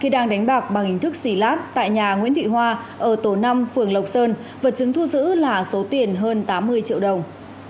khi đang đánh bạc bằng hình thức xỉ lát tại nhà nguyễn thị hoa ở tổ năm phường lộc sơn vật chứng thu giữ là số tiền hơn tám mươi triệu đồng